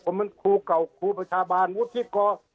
ผมเป็นครูเก่าครูประชาบาลวุฒิกร